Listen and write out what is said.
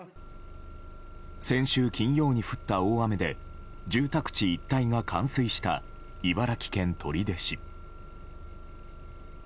先週金曜に降った大雨で住宅地一帯が冠水した茨城県取手市。